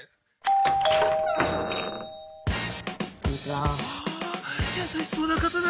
あ優しそうな方だ。